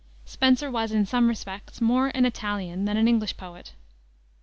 Spenser was, in some respects, more an Italian than an English poet.